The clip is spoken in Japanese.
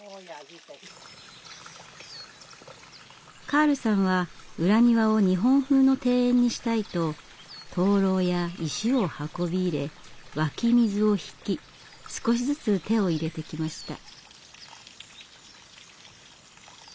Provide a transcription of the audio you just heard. カールさんは裏庭を日本風の庭園にしたいと灯籠や石を運び入れ湧き水を引き少しずつ手を入れてきました。